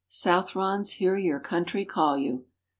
"Southrons, hear your country call you."